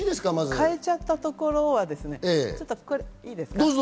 変えちゃったところは、ちょっといいですか？